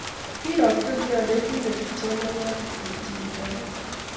Keyokto kanetindet kipsomaniat pkoipchi kitabut